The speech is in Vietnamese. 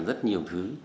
rất nhiều thứ